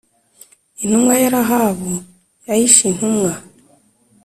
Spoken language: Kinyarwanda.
Intumwa ya rahabu yahishe intumwa